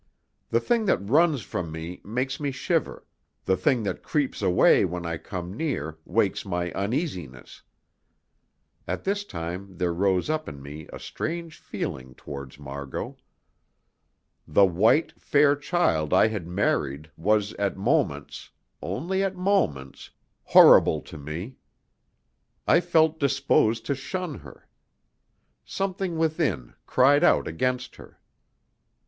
The thing that runs from me makes me shiver, the thing that creeps away when I come near wakes my uneasiness. At this time there rose up in me a strange feeling towards Margot. The white, fair child I had married was at moments only at moments horrible to me. I felt disposed to shun her. Something within cried out against her.